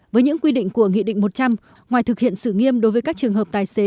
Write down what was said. với những quy định của nghị định một trăm linh ngoài thực hiện xử nghiêm đối với các trường hợp tài xế